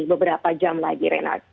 beberapa jam lagi renat